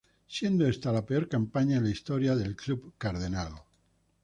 Siendo esta la peor campaña en la historia del club cardenal.